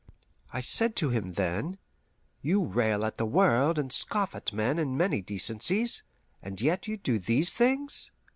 I said to him then, "You rail at the world and scoff at men and many decencies, and yet you do these things!"